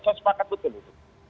saya sepakat betul itu